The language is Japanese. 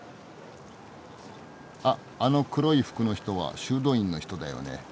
あっあの黒い服の人は修道院の人だよね。